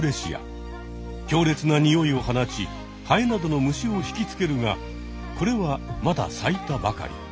強れつなニオイを放ちハエなどの虫を引きつけるがこれはまだ咲いたばかり。